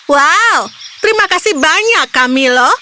wow terima kasih banyak camillo